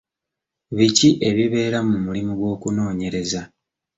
Biki ebibeera mu mulimu gw'okunoonyereza?